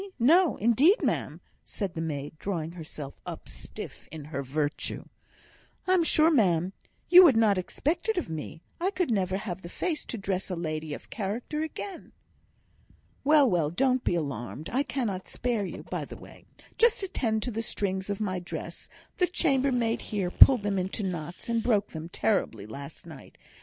no, indeed, ma'am," said the maid, drawing herself up, stiff in her virtue. "I'm sure, ma'am, you would not expect it of me; I could never have the face to dress a lady of character again." "Well, well! don't be alarmed; I cannot spare you; by the way, just attend to the strings on my dress; the chambermaid here pulled them into knots, and broke them terribly, last night.